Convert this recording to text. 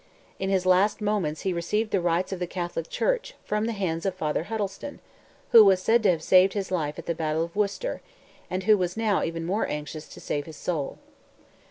In his last moments he received the rites of the Catholic church, from the hands of Father Huddleston, who was said to have saved his life at the battle of Worcester, and who was now even more anxious to save his soul.